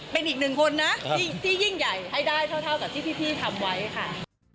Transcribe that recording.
เป็นอีกหนึ่งคนนะที่ยิ่งใหญ่ให้ได้เท่ากับที่พี่ทำไว้ค่ะ